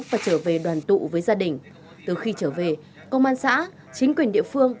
và trở về đoàn tụ với gia đình từ khi trở về công an xã chính quyền địa phương